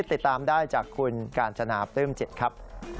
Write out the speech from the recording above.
ติดตามได้จากคุณกาญจนาปลื้มจิตครับ